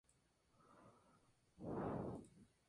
El gen anómalo se transmite de padres a hijos.